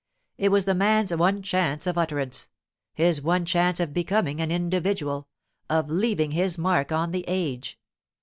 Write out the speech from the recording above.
It was the man's one chance of utterance—his one chance of becoming an individual, of leaving his mark on the age.